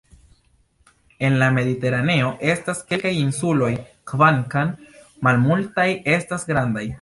En la Mediteraneo estas kelkaj insuloj kvankam malmultaj estas grandaj.